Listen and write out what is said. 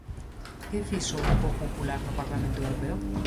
¿Que fixo o Grupo Popular no Parlamento Europeo?